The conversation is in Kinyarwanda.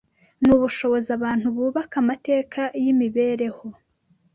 n’ubushobozi abantu bubaka amateka y’imibereho